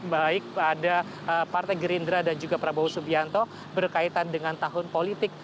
baik pada partai gerindra dan juga prabowo subianto berkaitan dengan tahun politik